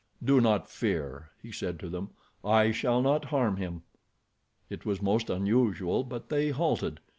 "Do not fear," he said to them, "I shall not harm him." It was most unusual, but they halted.